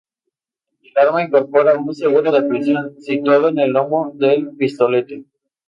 El arma incorpora un seguro de presión, situado en el lomo del pistolete.